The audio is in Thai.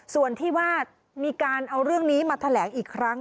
ส่วนที่ว่ามีการเอาเรื่องนี้มาแถลงอีกครั้ง